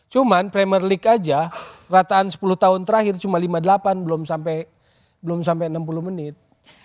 cuman premier league aja rataan sepuluh tahun terakhir cuma lima puluh delapan belum sampai enam puluh menit